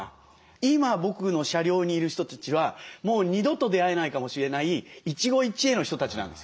今僕の車両にいる人たちはもう２度と出会えないかもしれない一期一会の人たちなんですよ。